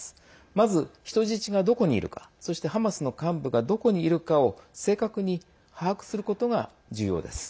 まず、人質がどこにいるかそして、ハマスの幹部がどこにいるかを正確に把握することが重要です。